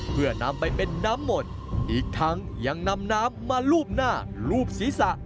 เพื่อนำไปเป็นน้ำมนต์อีกทั้งยังนำน้ำมาลูบหน้าลูบศีรษะ